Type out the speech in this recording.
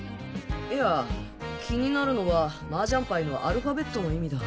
いや気になるのはマージャンパイのアルファベットの意味だ。